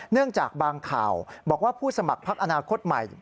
เนื่องจากบางข่าวบอกว่าผู้สมัครพักอนาคตใหม่